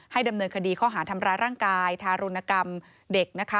ดำเนินคดีข้อหาทำร้ายร่างกายทารุณกรรมเด็กนะคะ